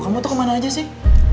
kamu tuh kemana aja sih